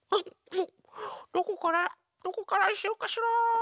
どこからどこからしようかしら。